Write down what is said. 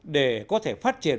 để có thể phát triển